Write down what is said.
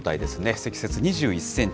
積雪２１センチ。